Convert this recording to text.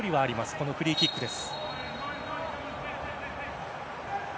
このフリーキックです。